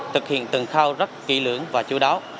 thực hiện từng khâu rất kỹ lưỡng và chú đáo